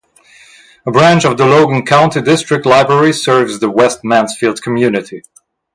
A branch of the Logan County District Library serves the West Mansfield community.